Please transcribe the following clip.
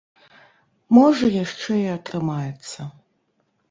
Можа яшчэ і атрымаецца.